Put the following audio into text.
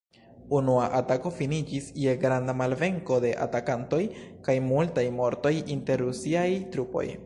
Unua atako finiĝis je granda malvenko de atakantoj kaj multaj mortoj inter Rusiaj trupoj.